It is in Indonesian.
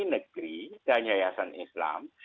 negeri dan yayasan islam